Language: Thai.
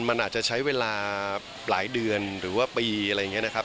มันอาจจะใช้เวลาหลายเดือนหรือว่าปีอะไรอย่างนี้นะครับ